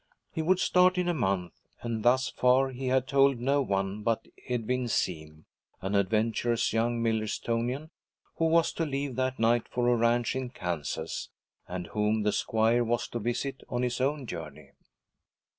He would start in a month, and thus far he had told no one but Edwin Seem, an adventurous young Millerstonian who was to leave that night for a ranch in Kansas, and whom the squire was to visit on his own journey.